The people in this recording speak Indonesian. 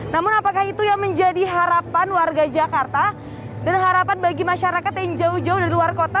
namun apakah itu yang menjadi harapan warga jakarta dan harapan bagi masyarakat yang jauh jauh dari luar kota